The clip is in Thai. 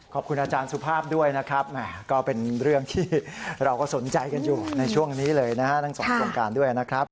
ขอบคุณอาจารย์สุภาพด้วยนะครับก็เป็นเรื่องที่เราก็สนใจกันอยู่ในช่วงนี้เลยนะฮะทั้งสองโครงการด้วยนะครับ